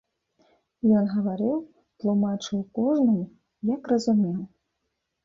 Ён гаварыў, тлумачыў кожнаму, як разумеў.